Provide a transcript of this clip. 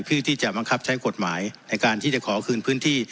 ที่จะบังคับใช้กฎหมายในการที่จะขอคืนพื้นที่